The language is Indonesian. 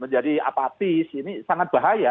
menjadi apatis ini sangat bahaya